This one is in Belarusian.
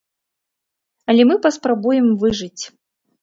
Але мы паспрабуем выжыць.